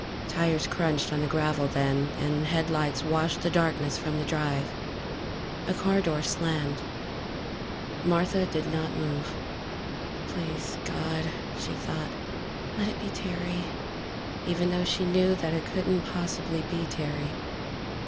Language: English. Tires crunched on the gravel then, and headlights washed the darkness from the drive. A car door slammed. Martha did not move. Please God, she thought, let it be Terry, even though she knew that it couldn't possibly be Terry.